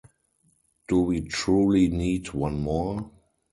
Do we truly need one more?